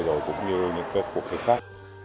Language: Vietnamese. rồi cũng như những cuộc thi khác